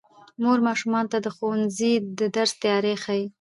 مور ماشومانو ته د ښوونځي د درس تیاری ښيي